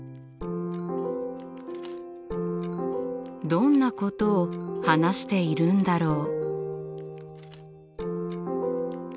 どんなことを話しているんだろう？